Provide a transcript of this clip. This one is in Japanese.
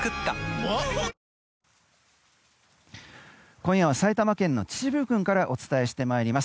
今夜は埼玉県の秩父郡からお伝えしてまいります。